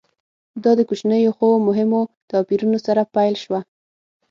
دا د کوچنیو خو مهمو توپیرونو سره پیل شوه